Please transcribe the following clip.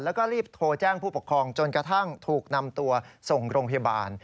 แล้วก็รีบโทรแจ้งผู้ปกครองจนกระทั่งถูกนำตัวส่งโรงพยาบาล